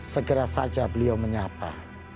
segera saja beliau menyapa